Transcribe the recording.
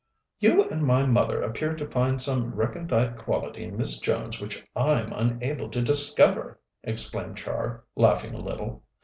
"You and my mother appear to find some recondite quality in Miss Jones which I'm unable to discover!" exclaimed Char, laughing a little.